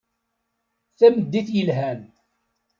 Tameddit yelhan.